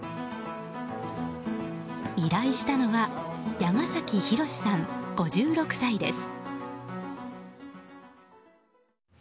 依頼したのは矢ヶ崎啓さん、５６歳です。